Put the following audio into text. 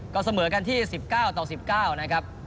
ก็เสมอกันที่๑๙ต่อ๑๙นะครับ